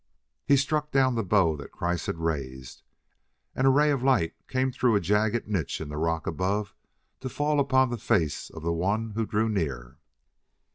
He struck down the bow that Kreiss had raised, and a ray of light came through a jagged niche in the rock above to fall upon the face of the one who drew near.